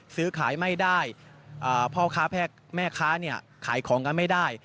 ซื้อขายไม่ได้พ่อค้าแม่ค้าขายของกันไม่ได้